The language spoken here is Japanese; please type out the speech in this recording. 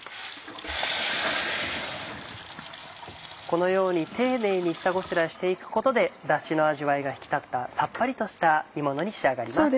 このように丁寧に下ごしらえして行くことでダシの味わいが引き立ったさっぱりとした煮ものに仕上がります。